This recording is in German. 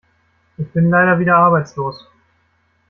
Ich bin leider wieder arbeitslos.